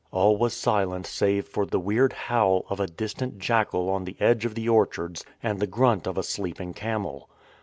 All was silent save for the weird howl of a distant jackal on the edge of the orchards and the grunt of a sleeping camel.